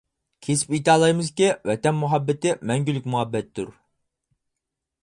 كېسىپ ئېيتالايمىزكى، ۋەتەن مۇھەببىتى مەڭگۈلۈك مۇھەببەتتۇر.